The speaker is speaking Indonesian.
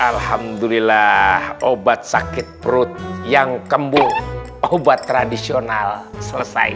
alhamdulillah obat sakit perut yang kembu obat tradisional selesai